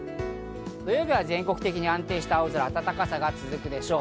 土曜日は全国的に安定した青空、暖かさが続くでしょう。